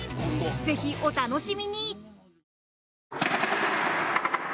ぜひお楽しみに！